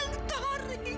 kamu sudah berubah